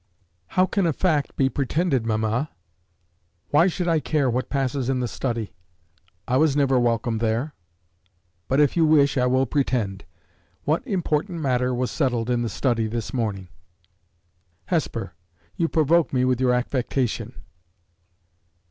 "How can a fact be pretended, mamma? Why should I care what passes in the study? I was never welcome there. But, if you wish, I will pretend. What important matter was settled in the study this morning?" "Hesper, you provoke me with your affectation!"